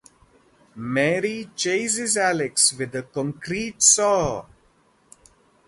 Marie chases Alex with a concrete saw.